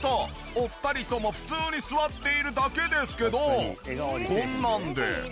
お二人とも普通に座っているだけですけどこんなんで何が変わるのよ？